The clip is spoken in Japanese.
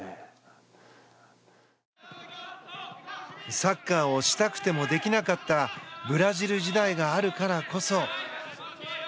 サッカーをしたくてもできなかったブラジル時代があるからこそ。